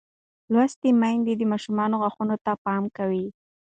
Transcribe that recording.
لوستې میندې د ماشوم غاښونو ته پام کوي.